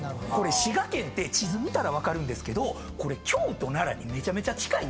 滋賀県って地図見たら分かるんですけど京都・奈良にめちゃめちゃ近いんですよ。